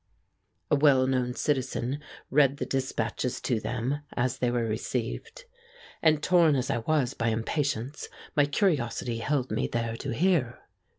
A well known citizen read the dispatches to them as they were received, and torn as I was by impatience, my curiosity held me there to hear.